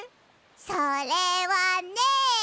それはね。